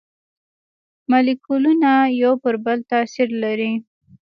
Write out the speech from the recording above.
مالیکولونه یو پر بل تاثیر لري.